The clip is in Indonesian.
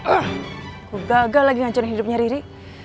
aku gagal lagi ngancurin hidupnya riri